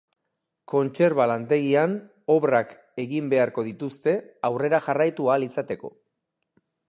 Kontserba-lantegian obrak egin beharko dituzte aurrera jarraitu ahal izateko.